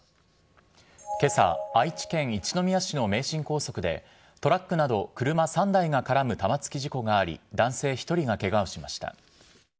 けさ、愛知県一宮市の名神高速で、トラックなど車３台が絡む玉突き事故があり、男性１人がけがをしました。